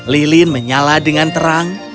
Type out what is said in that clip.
lilin menyala dengan terang